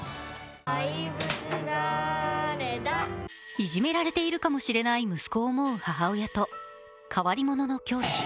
いじめられているかもしれない息子を思う母親と変わり者の教師。